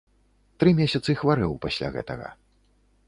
Тры месяцы хварэў пасля гэтага.